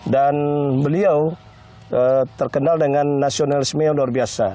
dan beliau terkenal dengan nasionalisme yang luar biasa